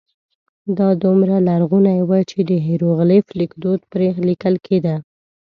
دا دومره لرغونی و چې د هېروغلیف لیکدود پرې لیکل کېده.